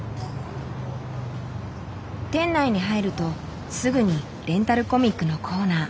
店内に入るとすぐにレンタルコミックのコーナー。